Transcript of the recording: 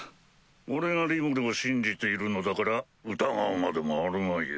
俺がリムルを信じているのだから疑うまでもあるまいよ。